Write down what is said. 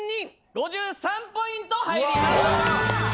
５３ポイント入ります。